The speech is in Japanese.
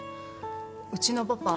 うちのパパ